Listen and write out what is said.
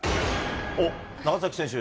おっ、長崎選手。